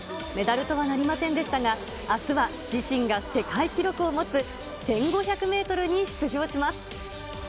メダルとはなりませんでしたが、あすは自身が世界記録を持つ１５００メートルに出場します。